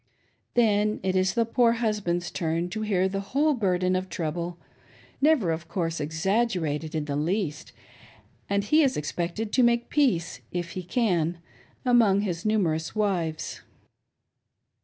Then it is the poor husband's turn to hear the whole burden of trouble, — never, of course, exaggerated in the least, — and he is expected to make peace, if he can, among his numerous wives.